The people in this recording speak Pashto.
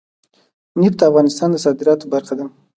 نفت د افغانستان د صادراتو برخه ده.